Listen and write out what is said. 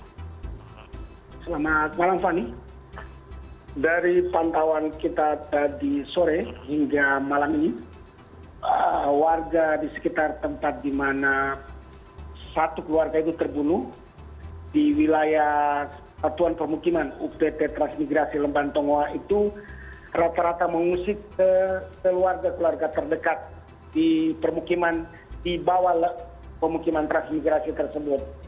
selamat malam fani dari pantauan kita dari sore hingga malam ini warga di sekitar tempat di mana satu keluarga itu terbunuh di wilayah satuan permukiman ubt transmigrasi lembantongwa itu rata rata mengusik keluarga keluarga terdekat di permukiman di bawah pemukiman transmigrasi tersebut